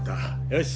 よし。